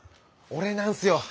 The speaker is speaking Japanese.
俺なんすよ！